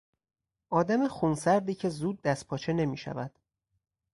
آدم خونسردی که زود دستپاچه نمیشود